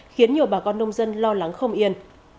khiến nhiều bà con nông dân lo lắng không yên